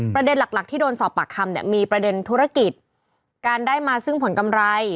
ประเด็นหลักที่โดนสอบปากคำเนี่ยมีประเด็นธุรกิจการได้มาซึ่งผลกำไร